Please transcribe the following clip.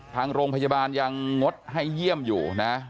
ทางโรงพยาบาลยังงดให้เยี่ยมอยู่นะ